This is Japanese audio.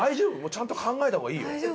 ちゃんと考えた方がいいよ。